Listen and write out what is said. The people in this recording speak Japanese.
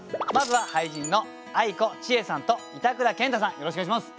よろしくお願いします。